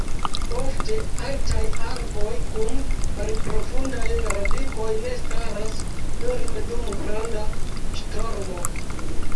Ofte altaj arboj kun malprofundaj radikoj ne staras firme dum granda ŝtormo.